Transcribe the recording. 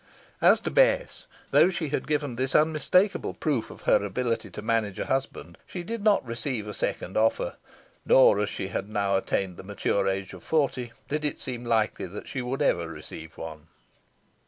As to Bess, though she had given this unmistakable proof of her ability to manage a husband, she did not receive a second offer, nor, as she had now attained the mature age of forty, did it seem likely she would ever receive one.